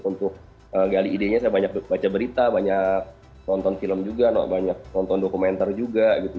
untuk gali idenya saya banyak baca berita banyak nonton film juga banyak nonton dokumenter juga gitu